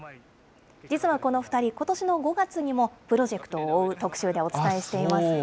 実はこの２人、ことしの５月にもプロジェクトを追う特集でお伝えしています。